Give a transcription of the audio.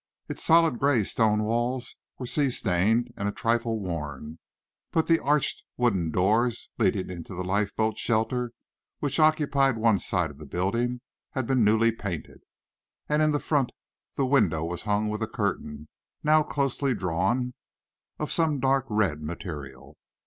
Its solid grey stone walls were sea stained and a trifle worn, but the arched wooden doors leading into the lifeboat shelter, which occupied one side of the building, had been newly painted, and in the front the window was hung with a curtain, now closely drawn, of some dark red material.